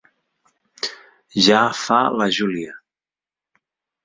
Ja –fa la Júlia.